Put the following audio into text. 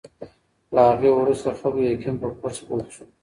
له هغې وروسته د خلکو یقین په کورس پوخ شو.